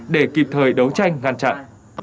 để kịp thời đấu tranh ngăn chặn